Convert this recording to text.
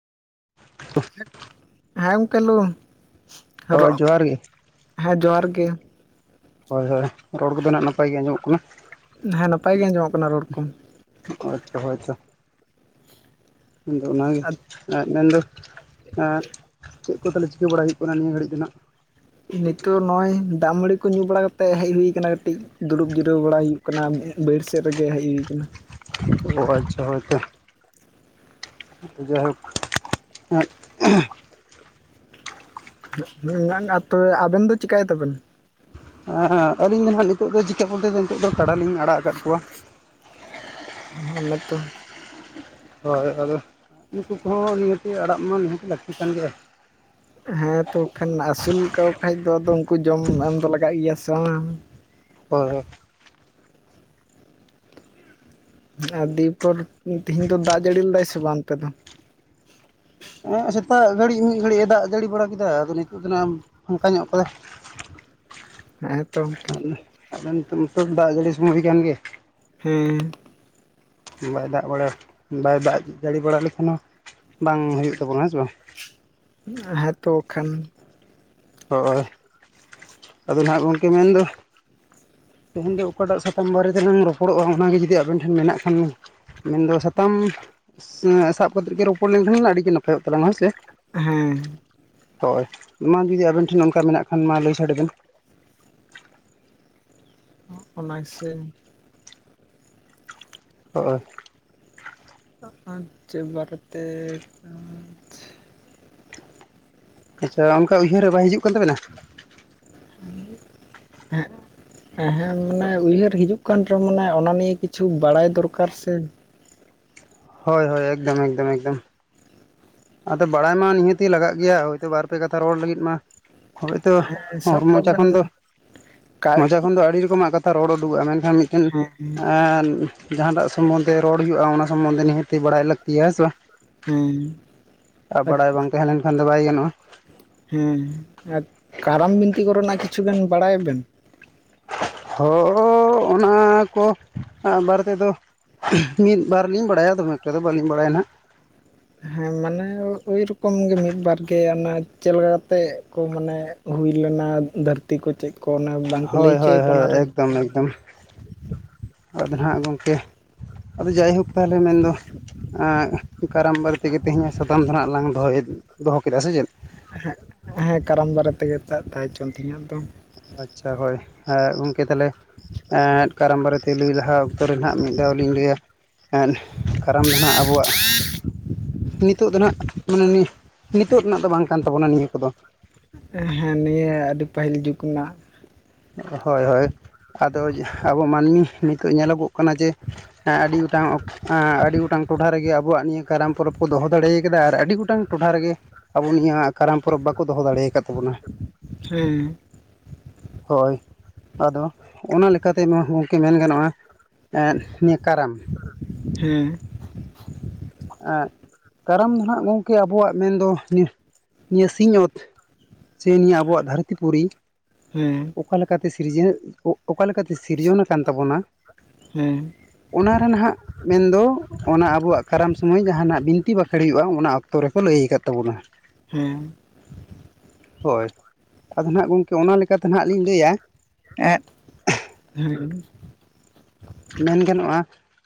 ᱦᱮᱸ ᱜᱚᱝᱠᱮ ᱞᱳ᱾ ᱦᱳᱭ ᱨᱚᱜ ᱡᱚᱦᱟᱨ ᱜᱮ᱾ ᱦᱮᱸ ᱡᱚᱦᱟᱨ ᱜᱮ ᱦᱳᱭ ᱦᱳᱭ ᱨᱚᱲ ᱠᱚᱫᱚ ᱱᱟᱯᱟᱭ ᱜᱮ ᱟᱸᱡᱚᱢᱚᱜ ᱠᱟᱱᱟ᱾ ᱦᱮᱸ ᱱᱟᱯᱟᱭ ᱜᱮ ᱟᱸᱡᱚᱢᱚᱜ ᱠᱟᱱᱟ ᱨᱚᱲ ᱠᱚ᱾ ᱟᱪᱪᱷᱟ ᱦᱳᱭ ᱛᱚ᱾ ᱟᱫᱚ ᱚᱱᱟᱜᱮ ᱟᱨ ᱮᱸᱫ ᱢᱮᱱ ᱫᱚ ᱪᱮᱜ ᱠᱚ ᱛᱟᱦᱞᱮ ᱪᱤᱠᱟᱹ ᱵᱟᱲᱟ ᱦᱩᱭᱩᱜ ᱠᱟᱱᱟ ᱱᱤᱭᱟᱹ ᱜᱷᱟᱹᱲᱤᱡ ᱫᱚ ᱱᱟᱦᱜ᱾ ᱱᱤᱛᱳ ᱱᱚᱜ-ᱚᱭ ᱫᱟᱜ ᱢᱟᱹᱲᱤ ᱠᱚ ᱧᱩ ᱵᱟᱲᱟ ᱠᱟᱛᱮᱜ ᱦᱮᱡ ᱦᱩᱭ ᱠᱟᱱᱟ ᱠᱟᱹᱴᱤᱡ ᱫᱩᱲᱩᱵ ᱡᱤᱨᱟᱹᱣ ᱵᱟᱲᱟ ᱦᱩᱭᱩᱜ ᱠᱟᱱᱟ᱾ ᱵᱟᱹᱦᱟᱹᱲ ᱥᱮᱫ ᱨᱮᱜᱮ ᱦᱮᱡ ᱦᱩᱭ ᱠᱟᱱᱟ᱾ ᱚ ᱟᱪᱪᱷᱟ ᱦᱳᱭ ᱛᱚ᱾ ᱡᱟᱭᱦᱳᱠ ᱮᱸᱫ [unintelligible] ᱛᱚᱵᱮ ᱟᱵᱮᱱ ᱫᱚ ᱪᱮᱤᱠᱟᱭ ᱫᱟᱵᱮᱱ? ᱮᱸ ᱟᱹᱞᱤᱧ ᱫᱚ ᱱᱟᱦᱟᱜ ᱱᱤᱛᱚᱜ ᱫᱚ ᱪᱤᱠᱟᱹ ᱵᱚᱞᱛᱮ ᱫᱚ ᱱᱤᱛᱚᱜ ᱫᱚ ᱠᱟᱰᱟ ᱞᱤᱧ ᱟᱲᱟᱜ ᱟᱠᱟᱫ ᱠᱚᱣᱟ ᱦᱚᱱᱮ ᱛᱚ᱾ ᱦᱚᱳᱭ ᱟᱫᱚ ᱩᱱᱠᱩ ᱠᱚᱦᱚᱸ ᱱᱤᱦᱟᱹᱛᱤ ᱟᱲᱟᱜ ᱢᱟ ᱱᱤᱦᱟᱹᱛᱤ ᱞᱟᱹᱠᱛᱤ ᱠᱟᱱ ᱜᱮ᱾ ᱦᱮᱸ ᱛᱚ ᱵᱟᱠᱷᱟᱱ ᱟᱹᱥᱩᱞ ᱠᱟᱠᱚ ᱠᱷᱟᱡ ᱫᱚ ᱟᱫᱚ ᱩᱱᱠᱩ ᱡᱚᱢ ᱮᱢ ᱫᱚ ᱞᱟᱜᱟᱜ ᱜᱮᱭᱟ ᱥᱚ ᱵᱟᱝᱟᱢ᱾ ᱦᱳᱭ ᱦᱳ᱾ ᱮᱸ ᱫᱤᱭᱮ ᱯᱚᱨ ᱛᱤᱦᱮᱧ ᱫᱚ ᱫᱟᱜ ᱡᱟᱹᱲᱤ ᱞᱮᱫᱟᱭ ᱥᱮ ᱵᱟᱝ ᱚᱱᱛᱮ ᱫᱚ? ᱮᱸ ᱥᱮᱛᱟᱜ ᱜᱷᱟᱹᱲᱤᱡ ᱢᱤᱜ ᱜᱷᱟᱹᱲᱤᱡ ᱮ ᱫᱟᱜ ᱡᱟᱹᱲᱤ ᱵᱟᱲᱟ ᱠᱮᱫᱟ ᱟᱫᱚ ᱱᱤᱛᱚᱜ ᱫᱚ ᱱᱟ ᱯᱟᱠᱟ ᱧᱚᱜ ᱠᱟᱫᱟ᱾ ᱦᱮᱸ ᱛᱚ ᱜᱚᱝᱠᱮ ᱟᱫᱚ ᱱᱤᱛᱚᱜ ᱢᱟᱛᱚ ᱫᱟᱜ ᱡᱟᱹᱲᱤ ᱥᱚᱢᱚᱭ ᱠᱟᱱ ᱜᱮᱭᱟ᱾ ᱦᱩᱸ ᱵᱟᱭ ᱫᱟᱜ ᱵᱟᱲᱟ ᱵᱟᱭ ᱫᱟᱜ ᱡᱟᱹᱲᱤ ᱵᱟᱲᱟ ᱞᱮᱠᱷᱟᱱ ᱦᱚᱸ ᱵᱟᱝ ᱦᱩᱭᱩᱜ ᱛᱟᱵᱚᱱᱟ ᱦᱮᱸᱥᱮ ᱵᱟᱝ᱾ ᱦᱮᱸ ᱛᱚ ᱟᱠᱷᱟᱱ᱾ ᱦᱚᱭ ᱟᱫᱚ ᱱᱟᱦᱟᱜ ᱜᱚᱝᱠᱮ ᱢᱮᱱᱫᱚ ᱛᱮᱦᱧ ᱫᱚ ᱚᱠᱟᱴᱟᱜ ᱥᱟᱛᱟᱢ ᱵᱟᱨᱮ ᱛᱮᱞᱟᱝ ᱨᱚᱯᱚᱲᱚᱜᱼᱟ ᱚᱱᱟᱜᱮ ᱡᱩᱫᱤ ᱟᱵᱮᱱ ᱴᱷᱮᱱ ᱢᱮᱱᱟᱜ ᱠᱷᱟᱱ ᱢᱮᱱᱫᱚ ᱥᱟᱛᱟᱢ ᱥᱟᱵ ᱮᱸ ᱠᱟᱛᱮᱫ ᱜᱮ ᱨᱚᱯᱚᱲ ᱞᱮᱱᱠᱷᱟᱱ ᱜᱮ ᱟᱹᱰᱤᱜᱮ ᱱᱟᱯᱟᱭᱚᱜ ᱛᱟᱞᱟᱝᱟ ᱦᱳᱭᱥᱮ᱾ ᱦᱮᱸ᱾ ᱦᱚᱭ ᱢᱟ ᱡᱩᱫᱤ ᱟᱵᱮᱱ ᱴᱷᱮᱱ ᱚᱱᱠᱟ ᱢᱮᱱᱟᱜ ᱠᱷᱟᱱ ᱢᱟ ᱞᱟᱹᱭ ᱥᱟᱰᱮ ᱵᱮᱱ ᱾ ᱚᱱᱟ ᱜᱮ ᱥᱮ ᱦᱚᱜᱼᱚ ᱪᱮᱜ ᱵᱟᱨᱛᱮ ᱟᱸ ᱟᱪᱪᱷᱟ ᱚᱝᱠᱟ ᱩᱭᱦᱟᱹᱨ ᱨᱮ ᱵᱟᱭ ᱦᱤᱡᱩᱜ ᱠᱟᱱ ᱛᱟᱵᱮᱱᱟ? [unintelligible] ᱢᱟᱱᱮ ᱩᱭᱦᱟᱹᱨ ᱦᱤᱡᱩᱜ [unintelligible] ᱚᱱᱟ ᱱᱤᱭᱮ ᱠᱤᱪᱷᱩ ᱵᱟᱲᱟᱭ ᱫᱚᱨᱠᱟᱨ ᱥᱮ᱾ ᱦᱳᱭ ᱦᱳᱭ ᱮᱠᱫᱚᱢ ᱮᱠᱫᱚᱢ ᱮᱠᱫᱚᱢ ᱾ ᱟᱫᱚ ᱵᱟᱲᱟᱭ ᱢᱟ ᱱᱤᱦᱟᱹᱛᱤ ᱞᱟᱜᱟᱜ ᱜᱮᱭᱟ ᱦᱚᱭᱛᱚ ᱵᱟᱨ ᱯᱮ ᱠᱟᱛᱷᱟ ᱨᱚᱲ ᱞᱟᱹᱜᱤᱫ ᱢᱟ ᱦᱳᱭᱛᱚ ᱦᱚᱨ ᱥᱟᱵ ᱠᱟᱜ ᱢᱚᱪᱟ ᱵᱮᱱ ᱠᱷᱚᱱ ᱫᱚ, ᱠᱟᱜ ᱢᱚᱪᱟ ᱠᱷᱚᱱ ᱫᱚ ᱟᱹᱰᱤ ᱨᱚᱠᱚᱢᱟᱜ ᱠᱟ ᱛᱷᱟ ᱨᱚᱲ ᱩᱰᱩᱠᱚᱜᱼᱟ ᱢᱮᱱᱠᱷᱟᱱ ᱢᱤᱫᱴᱮᱱ ᱮ ᱡᱟᱦᱟᱸᱴᱟᱜ ᱥᱚᱢᱚᱱᱫᱷᱮ ᱨᱚᱲ ᱦᱩᱭᱩᱜᱼᱟ ᱚᱱᱟ ᱥᱚᱢᱚᱱᱫᱷᱮ ᱱᱤᱦᱟᱹᱛᱤ ᱵᱟᱲᱟᱭ ᱞᱟᱹᱠᱛᱤᱭᱟ ᱦᱮᱸ ᱥᱮ ᱵᱟᱝ ᱾ ᱦᱩᱸ ᱟ ᱵᱟᱲᱟᱭ ᱵᱟᱝ ᱛᱟᱦᱮᱸ ᱞᱮᱱᱠᱷᱟᱱ ᱫᱚ ᱵᱟᱭ ᱜᱟᱱᱚᱜᱼᱟ ᱾ ᱦᱩᱸ ᱟ ᱠᱟᱨᱟᱢ ᱵᱤᱱᱛᱤ ᱠᱚᱨᱮᱱᱟᱜ ᱠᱤᱪᱷᱩ ᱜᱟᱱ ᱵᱟᱲᱟᱭᱟᱵᱮᱱ? ᱦᱚ ᱚᱱᱟ ᱠᱚ ᱟᱸ ᱵᱟᱨᱮ ᱛᱮᱫᱚ ᱢᱤᱫ ᱠᱟᱨ ᱞᱤᱧ ᱵᱟᱲᱟᱭᱟ ᱫᱚᱢᱮ ᱮᱠᱴᱟ ᱫᱚ ᱵᱟᱹᱞᱤᱧ ᱵᱟᱲᱟᱭᱟ ᱱᱟᱦᱟᱜ ᱾ ᱦᱮᱸ ᱢᱟᱱᱮ ᱳᱭ ᱨᱚᱠᱚᱢ ᱜᱮ ᱢᱤᱫ ᱵᱟᱨ ᱜᱮ ᱚᱱᱟ ᱪᱮᱞᱮᱠᱟ ᱠᱟᱛᱮᱜ ᱠᱚ ᱢᱟᱱᱮ ᱦᱩᱭ ᱞᱮᱱᱟ ᱫᱷᱟᱹᱨᱛᱤ ᱠᱚ ᱪᱮᱜ ᱠᱚ ᱚᱱᱟ ᱵᱟᱝᱠᱚ ᱞᱟᱹᱭ ᱦᱳᱭ ᱦᱳᱭ ᱦᱚᱪᱚᱭᱟ ᱠᱚ ᱦᱳᱭ ᱚᱱᱟᱨᱮ ᱮᱠᱫᱚᱢ ᱮᱠᱫᱚᱢ ᱟᱫᱚ ᱱᱟᱦᱟᱜ ᱜᱚᱝᱠᱮ ᱟᱫᱚ ᱡᱟᱭᱦᱳᱠ ᱛᱟᱦᱞᱮ ᱢᱮᱱᱫᱚ ᱮᱸ ᱠᱟᱨᱟᱢ ᱵᱟᱨᱮ ᱛᱮᱜᱮ ᱛᱮᱦᱤᱧᱟᱜ ᱥᱟᱛᱟᱢ ᱫᱚ ᱱᱟᱦᱟᱜ ᱞᱟᱝ ᱫᱚᱦᱚᱭᱮᱫ ᱫᱚᱦᱚ ᱠᱮᱫᱟ ᱥᱮ ᱪᱮᱫ? ᱦᱮᱸ ᱦᱮᱸ ᱠᱟᱨᱟᱢ ᱵᱟᱨᱮ ᱛᱮᱜᱮᱜ ᱛᱟ-ᱛᱟᱦᱮᱸ ᱚᱪᱚᱣᱟᱱ ᱛᱮᱦᱤᱧᱟᱜ ᱫᱚ ᱾ ᱟᱪᱪᱷᱟ ᱦᱚᱭ ᱮᱸ ᱜᱚᱝᱠᱮ ᱛᱟᱦᱞᱮ ᱮᱸ ᱠᱟᱨᱟᱢ ᱵᱟᱨᱮᱛᱮ ᱞᱟᱹᱭ ᱞᱟᱦᱟ ᱚᱠᱛᱚ ᱨᱮ ᱱᱟᱦᱟᱜ ᱢᱤᱫ ᱫᱷᱟᱣ ᱞᱤᱧ ᱞᱟᱹᱭᱟ ᱮᱸ ᱠᱟᱨᱟᱢ ᱫᱚ ᱱᱟᱦᱟᱸᱜ ᱟᱵᱚᱣᱟᱜ ᱱᱤᱛᱚᱜ ᱫᱚ ᱱᱟᱦᱟᱜ ᱢᱟᱱᱮ ᱱᱤ ᱱᱤᱛᱳᱜ ᱨᱮᱱᱟᱜ ᱫᱚ ᱵᱟᱝ ᱠᱟᱱ ᱛᱟᱵᱚᱱᱟ ᱱᱤᱭᱟᱹ ᱠᱚᱫᱚ᱾ ᱦᱮᱸ ᱱᱤᱭᱟᱹ ᱟᱹᱰᱤ ᱯᱟᱹᱦᱤᱞ ᱡᱩᱜᱽ ᱱᱟᱜ ᱦᱚᱭ ᱦᱚᱭ ᱟᱫᱚ ᱟᱵᱚ ᱢᱟᱹᱱᱢᱤ ᱱᱤᱛᱚᱜ ᱧᱮᱞᱚᱜᱚᱜ ᱠᱟᱱᱟ ᱡᱮ ᱦᱮᱸ ᱟᱹᱰᱤ ᱜᱚᱴᱟᱝ ᱚᱠ ᱮᱸ ᱟᱹᱰᱤ ᱜᱚᱴᱟᱝ ᱴᱚᱴᱷᱟ ᱨᱮᱜᱮ ᱟᱵᱚᱣᱟᱜ ᱱᱤᱭᱟᱹ ᱠᱟᱨᱟᱢ ᱯᱚᱨᱚᱵᱽ ᱠᱚ ᱫᱚᱦᱚ ᱫᱟᱲᱮᱭ ᱠᱟᱫᱟ ᱟᱨ ᱟᱹᱰᱤ ᱜᱚᱴᱟᱝ ᱴᱚᱴᱷᱟ ᱨᱮᱜᱮ ᱟᱵᱚ ᱱᱤᱭᱟ ᱠᱟᱨᱟᱢ ᱯᱚᱨᱚᱵᱽ ᱵᱟᱠᱚ ᱫᱚᱦᱚ ᱫᱟᱲᱮᱭ ᱠᱟᱫ ᱛᱟᱵᱚᱱᱟ ᱾ ᱦᱮᱸ᱾ ᱦᱳᱭ ᱟᱫᱚ ᱚᱱᱟ ᱞᱮᱠᱟᱛᱮ ᱱᱚᱣᱟ ᱦᱚᱸ ᱜᱚᱝᱠᱮ ᱢᱮᱱ ᱜᱟᱱᱚᱜ-ᱟ ᱮᱸᱫ ᱱᱤᱭᱟᱹ ᱠᱟᱨᱟᱢ ᱾ ᱦᱮᱸ ᱾ ᱮᱸ ᱠᱟᱨᱟᱢ ᱫᱚ ᱱᱟᱸᱜ ᱜᱚᱝᱠᱮ ᱟᱵᱚᱣᱟᱜ ᱢᱮᱱᱫᱚ [unintelligible] ᱱᱤᱭᱟᱹ ᱥᱤᱧ ᱚᱛ ᱥᱮ ᱱᱤᱭᱟᱹ ᱟᱵᱚᱣᱟᱜ ᱫᱷᱟᱹᱨᱛᱤ ᱯᱩᱨᱤ ᱦᱮᱸ ᱚᱠᱟ ᱞᱮᱠᱟᱛᱮ ᱥᱤᱨᱡᱟᱹᱣ ᱚᱠᱟ ᱞᱮᱠᱟᱛᱮ ᱥᱤᱨᱡᱚᱱ ᱟᱠᱟᱱ ᱛᱟᱵᱚᱱ-ᱟ ᱦᱮᱸ ᱚᱱᱟ ᱨᱮ ᱱᱟᱦᱟᱸᱜ ᱢᱮᱱᱫᱚ ᱚᱱᱟ ᱟᱵᱚᱣᱟᱜ ᱠᱟᱨᱟᱢ ᱥᱩᱢᱟᱹᱭ ᱡᱟᱦᱟᱱᱟᱜ ᱵᱤᱱᱛᱤ ᱵᱟᱠᱷᱮᱲ ᱦᱩᱭᱩᱜ-ᱟ, ᱚᱱᱟ ᱚᱠᱛᱚ ᱨᱮᱠᱚ ᱞᱟᱹᱭ ᱠᱟᱫ ᱛᱟᱵᱚᱱ-ᱟ ᱾ [inaudible] ᱦᱳᱭ ᱟᱫᱚ ᱱᱟᱦᱟᱸᱜ ᱜᱚᱝᱠᱮ ᱚᱱᱟ ᱞᱮᱠᱟ ᱛᱮ ᱱᱟᱦᱟᱸᱜ ᱞᱤᱧ ᱞᱟᱹᱭᱟ ᱮᱸ [unintelligible] ᱢᱮᱱ ᱜᱟᱱᱚᱜ-ᱟ ᱾